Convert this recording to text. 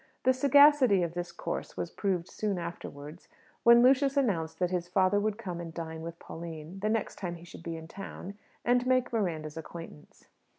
The sagacity of this course was proved soon afterwards, when Lucius announced that his father would come and dine with Pauline the next time he should be in town, and make Miranda's acquaintance.